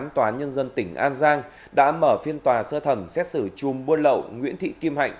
tòa nhân dân tỉnh an giang đã mở phiên tòa sơ thẩm xét xử chùm buôn lậu nguyễn thị kim hạnh